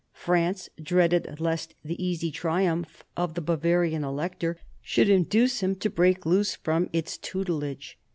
France dreaded lest the easy triumph of the Bavarian Elector should induce him to break loose from its tutelage.